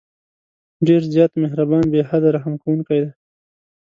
ډېر زیات مهربان، بې حده رحم كوونكى دى.